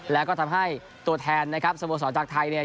แล้วก็ทำให้ตัวแทนนะครับสโมสรจากไทยเนี่ย